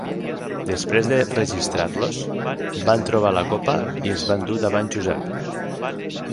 Després de registrar-los, van trobar la copa i els van dur davant Josep.